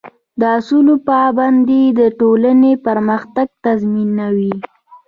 د اصولو پابندي د ټولنې پرمختګ تضمینوي.